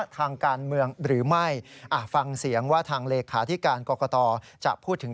กรณีนี้ทางด้านของประธานกรกฎาได้ออกมาพูดแล้ว